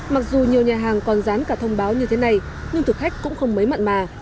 mặc dù nhiều nhà hàng còn dán cả thông báo như thế này nhưng thực khách cũng không mấy mặn mà